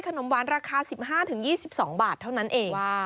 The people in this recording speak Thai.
ขนมหวานราคา๑๕๒๒บาทเท่านั้นเอง